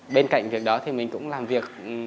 bên cạnh việc đó thì mình cũng làm việc